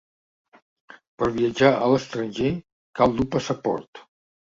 Per viatjar a l'estranger cal dur passaport.